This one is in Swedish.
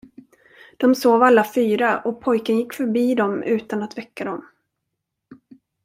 De sov alla fyra och pojken gick förbi dem utan att väcka dem.